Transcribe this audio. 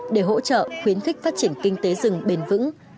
để hỗ trợ khuyến khích phát triển kinh tế rừng bền vững